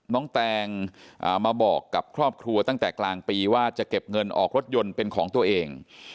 แตงมาบอกกับครอบครัวตั้งแต่กลางปีว่าจะเก็บเงินออกรถยนต์เป็นของตัวเอง